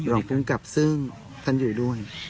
กับหล่อภูมิกับซึ่งท่านอยู่ด้วย